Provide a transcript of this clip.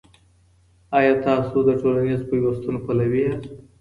آيا تاسو د ټولنيز پيوستون پلوي ياست؟